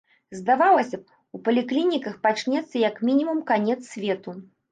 Здавалася б, у паліклініках пачнецца як мінімум канец свету.